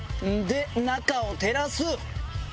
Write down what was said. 中を照らす。